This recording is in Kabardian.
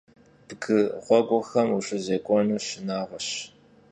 Bgı ğueguxem vuşızêk'uenu şınağueş.